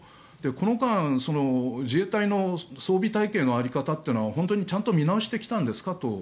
この間、自衛隊の装備体系の在り方というのは本当にちゃんと見直してきたんですかと。